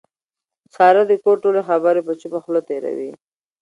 ساره د کور ټولې خبرې په چوپه خوله تېروي.